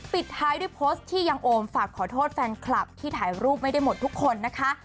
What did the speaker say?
ปิดท้ายด้วยโพสต์ที่ยังโอมฝากขอโทษแฟนคลับที่ถ่ายรูปไม่ได้หมดทุกคนนะคะ